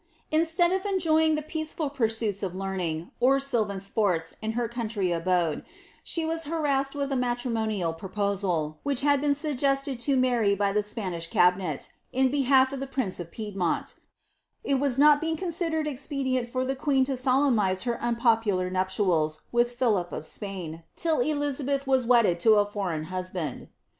Instead of enjoying the peaceful pursuits of learning, or sylvan sports, in her country abode, she was harassed with a matrimo nial proposal, which had been suggested to Mary by the Spanish cabi net, in behalf of the prince of Piedmont ;* it not being considered expe dient for the queen to solemnize her unpopular nuptials with Philip of Spain, till Elizabeth n'as wedded to a foreign husband.